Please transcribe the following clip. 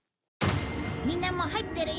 みんなもう入ってるよ。